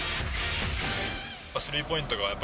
スリーポイントがやっぱ、